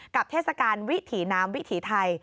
เทศกาลวิถีน้ำวิถีไทย